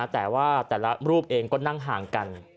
แต่ว่าแต่ละรูปเองก็นั่งห่างกัน